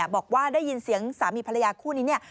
บอกว่าได้ยินเสียงสามีภรรยาคู่นี้เนี่ย